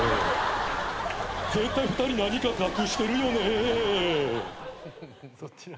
絶対２人何か隠してるよね。